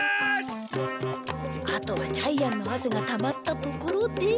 あとはジャイアンの汗がたまったところで。